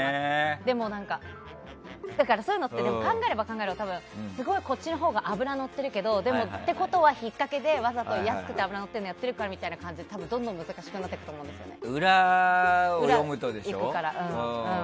でも、そういうのって考えれば考えるほど多分、すごいこっちのほうが脂がのってるけどでも、っていうことは引っ掛けでわざと安くて油のってるのをやってるのかみたいな感じでどんどん難しくなっていくと思うんですよね。